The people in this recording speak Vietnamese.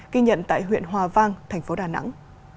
ghi nhận tại huyện hòa vang thành phố đà nẵng